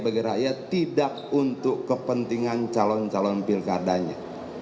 bagi rakyat tidak untuk kepentingan calon calon pilkadanya